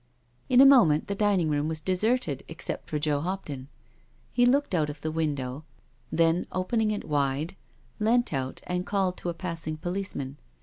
In a moment the dining room was deserted except for Joe Hopton. He looked out of the window, then opening it wide, leant out and called to a passing policeman.